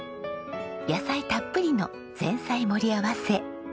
野菜たっぷりの前菜盛り合わせ。